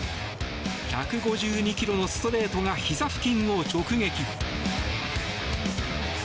１５２キロのストレートがひざ付近を直撃。